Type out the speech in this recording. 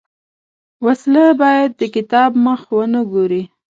وسله باید د کتاب مخ ونه ګوري